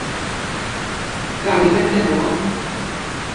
Ddaw hi byth yn ôl.